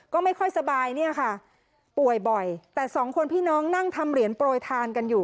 ก็ไม่ค่อยสบายเนี่ยค่ะป่วยบ่อยแต่สองคนพี่น้องนั่งทำเหรียญโปรยทานกันอยู่